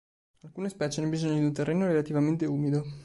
Alcune specie hanno bisogno di un terreno relativamente umido.